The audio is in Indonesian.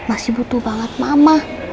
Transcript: masih butuh banget mama